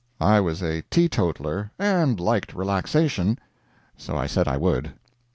I was a teetotaler and liked relaxation, so I said I would.